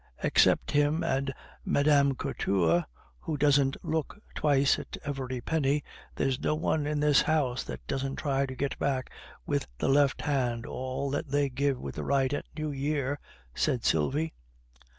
'" "Except him and Mme. Couture, who doesn't look twice at every penny, there's no one in the house that doesn't try to get back with the left hand all that they give with the right at New Year," said Sylvie.